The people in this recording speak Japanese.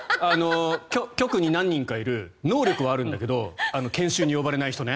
局に何人かいる能力はあるんだけど研修に呼ばれない人ね。